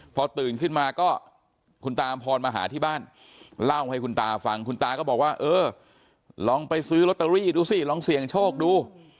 พอตื่นขึ้นมาก็คุณตาอำพรมาหาที่บ้านเล่าให้คุณตาฟังคุณตาก็บอกว่าเออลองไปซื้อลอตเตอรี่ดูสิลองเสี่ยงโชคดู